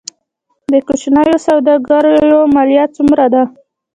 د کوچنیو سوداګریو مالیه څومره ده؟